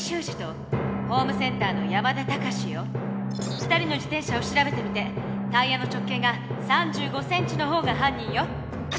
２人の自転車を調べてみてタイヤの直径が３５ｃｍの方が犯人よ！